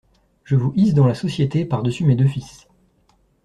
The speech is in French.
Je vous hisse dans la société par-dessus mes deux fils.